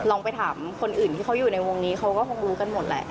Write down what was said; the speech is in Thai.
ลองไปถามคนอื่นที่เขาอยู่ในวงนี้เขาก็คงรู้กันหมดแหละ